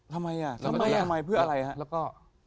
ทำไมอ่ะทำไมอ่ะเพื่ออะไรฮะ